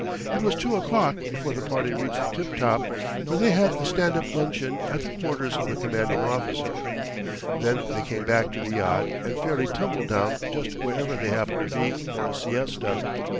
It was two o'clock before the party reached the tip top, where they had a stand up luncheon at the quarters of the commanding officer. Then they came back to the yacht, and fairly tumbled down just wherever they happened to be for a siesta.